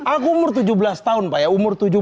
aku umur tujuh belas tahun pak ya umur tujuh belas